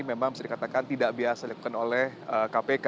memang bisa dikatakan tidak biasa dilakukan oleh kpk